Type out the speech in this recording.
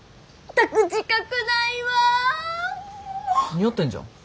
似合ってんじゃん。